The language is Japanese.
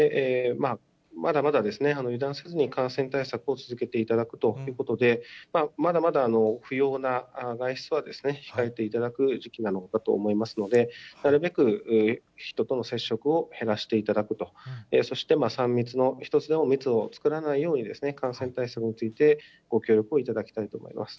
まだまだ油断せずに感染対策を続けていただくということで、まだまだ不要な外出は控えていただく時期なのかと思いますので、なるべく人との接触を減らしていただくと、そして３密の、１つでも密を作らないように、感染対策についてご分かりました。